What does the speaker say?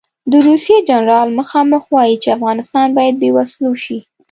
د روسیې جنرال مخامخ وایي چې افغانستان باید بې وسلو شي.